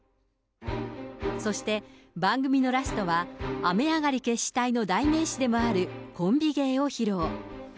そして、番組のラストは、雨上がり決死隊の代名詞でもあるコンビ芸を披露。